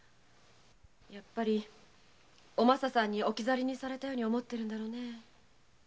やっぱりおまささんに置き去りにされたように思ってるんだね。